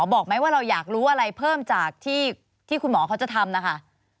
บอกไหมว่าเราอยากรู้อะไรเพิ่มจากที่คุณหมอเขาจะทำนะคะ